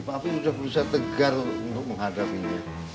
papi udah berusaha tegar untuk menghadapinya